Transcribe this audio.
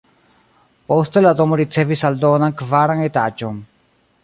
Poste la domo ricevis aldonan kvaran etaĝon.